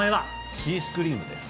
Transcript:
シースクリームです。